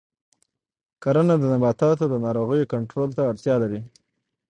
کرنه د نباتاتو د ناروغیو کنټرول ته اړتیا لري.